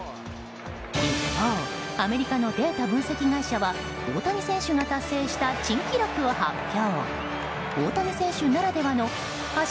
一方アメリカのデータ分析会社は大谷選手が達成した珍記録を発表。